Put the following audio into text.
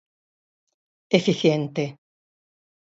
Eficiente.